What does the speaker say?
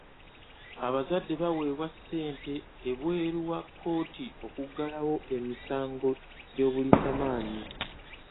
Abazadde baweebwa ssente ebweru wa kkooti okuggalawo emisango gy'obuliisamaanyi.